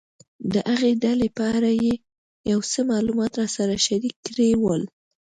د هغې ډلې په اړه یې یو څه معلومات راسره شریک کړي ول.